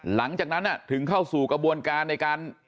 หลังจากนั้นถึงเข้าสู่กระบวนการในการ